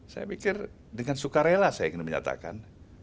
saya pikir dengan sukarela saya ingin menyatakan